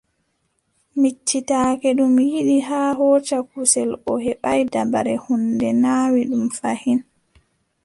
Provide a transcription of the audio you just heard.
Miccitake ɗum yiɗi haa hooca kusel O heɓaay dabare, huunde naawi ɗum fayin.